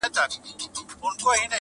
له هر کونجه یې جلا کول غوښتنه.!